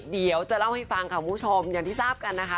เดี๋ยวจะเล่าให้ฟังค่ะคุณผู้ชมอย่างที่ทราบกันนะคะ